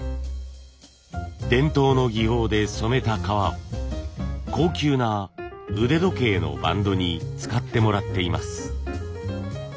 伝統の技法で染めた革を高級な腕時計のバンドに使ってもらっています。